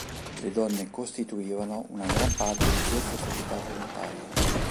Le donne costituivano una gran parte di queste società volontarie.